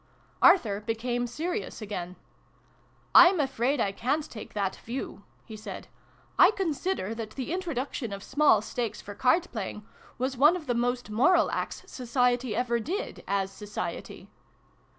Arthur became serious again. " I'm afraid I ca'n't take that view," he said. " I consider that the introduction of small stakes for card playing was one of the most moral acts Society ever did, as Society."